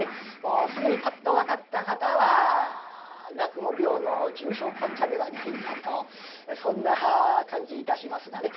すぐにパッと分かった方は落語病の重症患者ではないかとそんな感じいたしますがね。